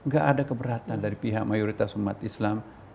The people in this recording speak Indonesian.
gak ada keberatan dari pihak mayoritas umat islam